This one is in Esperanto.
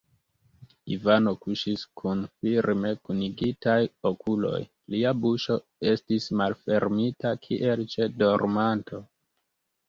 Ivano kuŝis kun firme kunigitaj okuloj; lia buŝo estis malfermita, kiel ĉe dormanto.